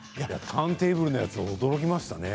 ターンテーブルのやつ驚きましたね。